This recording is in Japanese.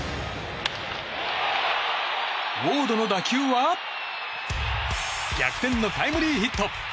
ウォードの打球は逆転のタイムリーヒット。